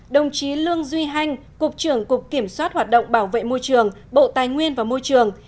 đồng chí lương duy hanh cục trưởng cục kiểm soát hoạt động bảo vệ môi trường bộ tài nguyên và môi trường